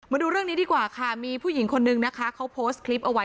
มาดูเรื่องนี้ดีกว่าค่ะมีผู้หญิงคนนึงนะคะเขาโพสต์คลิปเอาไว้